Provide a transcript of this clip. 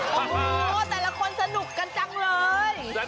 โอ้โหแต่ละคนสนุกกันจังเลย